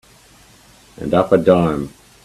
And up a dime.